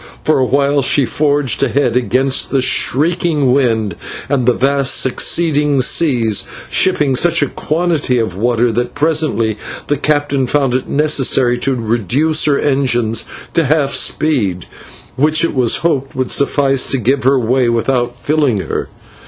For a while she forged again against the shrieking wind and vast succeeding seas, shipping such a quantity of water that presently the captain found it necessary to reduce her engines to half speed, which it was hoped would suffice to give her way without filling her.